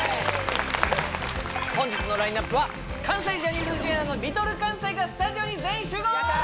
本日のラインナップは関西ジャニーズＪｒ．のＬｉｌかんさいがスタジオに全員集合！